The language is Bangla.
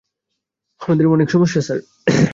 আমার অনেক সমস্যা, স্যার।